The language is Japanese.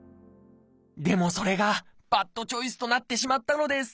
でもそれがバッドチョイスとなってしまったのです